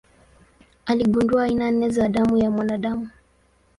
Aligundua aina nne za damu ya mwanadamu.